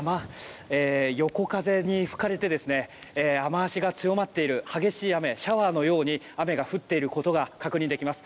横風に吹かれて雨脚が強まっている激しい雨、シャワーのように雨が降っていることが確認できます。